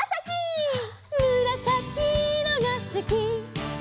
「むらさきいろがすき」